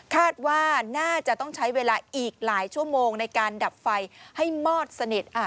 คาดว่าน่าจะต้องใช้เวลาอีกหลายชั่วโมงในการดับไฟให้มอดสนิท